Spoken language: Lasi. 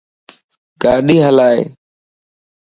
ڳاڏي ھلائي